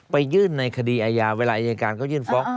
ไปยื่นในคดีอาญาเวลาอายการเขายื่นฟ้อง